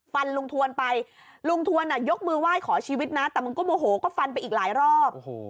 ฟันลุงทวนไปลุงทวนยกมือไหว้ขอชีวิตนะแต่มันก็โมโหก็ฟันไปอีกหลายรอบ